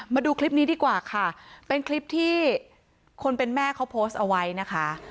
มาดูคลิปนี้ดีกว่าค่ะเป็นคลิปที่คนเป็นแม่เขาโพสต์เอาไว้นะคะ